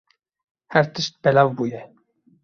Her tişt belav bûye.